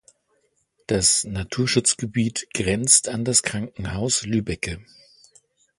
Das Naturschutzgebiet grenzt an das Krankenhaus Lübbecke.